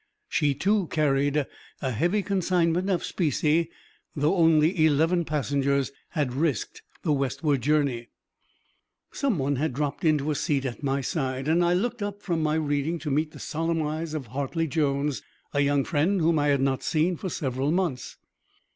She, too, carried a heavy consignment of specie, though only eleven passengers had risked the westward journey. Someone had dropped into a seat at my side, and I looked up from my reading to meet the solemn eyes of Hartley Jones, a young friend whom I had not seen for several months.